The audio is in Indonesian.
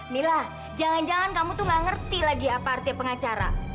mila jangan jangan kamu tuh nggak ngerti lagi apa artinya pengacara